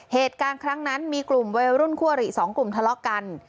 เหตุการณ์ครั้งนั้นมีกลุ่มวัยรุ่นคั่วหรี่สองกลุ่มทะเลาะกัน